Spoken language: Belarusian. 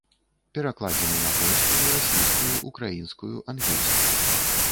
Перакладзены на польскую, расейскую, украінскую, ангельскую.